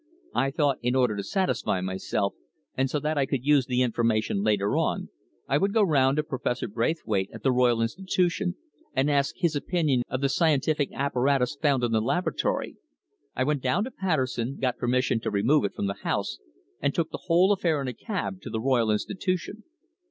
"I thought, in order to satisfy myself, and so that I could use the information later on, I would go round to Professor Braithwaite at the Royal Institution and ask his opinion of the scientific apparatus found in the laboratory. I went down to Patterson, got permission to remove it from the house, and took the whole affair in a cab to the Royal Institution."